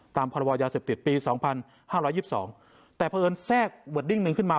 ตามภารวรยาเสพติดปีสองพันห้าร้อยยิบสองแต่เพราะเอิญแทรกเวิร์ดดิ้งหนึ่งขึ้นมา